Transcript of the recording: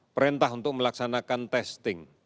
perintah untuk melaksanakan testing